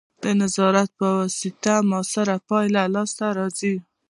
د نظارت په واسطه مؤثره پایله لاسته راځي.